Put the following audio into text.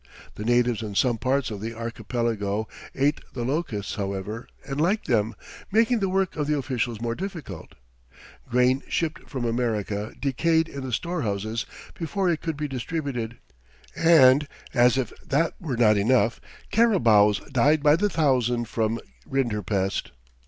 The natives in some parts of the archipelago ate the locusts, however, and liked them, making the work of the officials more difficult. Grain shipped from America decayed in the storehouses before it could be distributed, and, as if that were not enough, carabaos died by the thousand from rinderpest.